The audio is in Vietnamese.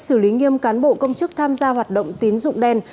xử lý nghiêm cán bộ công chức tham gia hoạt động tín dụng đen